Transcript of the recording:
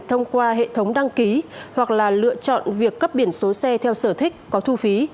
thông qua hệ thống đăng ký hoặc là lựa chọn việc cấp biển số xe theo sở thích có thu phí